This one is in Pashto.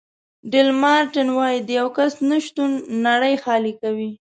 ډي لمارټین وایي د یو کس نه شتون نړۍ خالي کوي.